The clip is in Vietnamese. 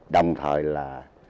đồng thời là